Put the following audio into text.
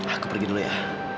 aku pergi dulu ya